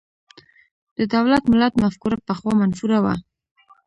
د دولت–ملت مفکوره پخوا منفوره وه.